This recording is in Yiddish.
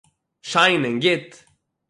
שיין און גוט